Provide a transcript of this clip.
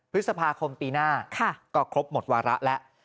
พฤษภาคมปีหน้าก็ครบหมดวาระแล้ว